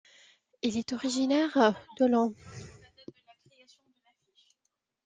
Il est originaire d'Öland.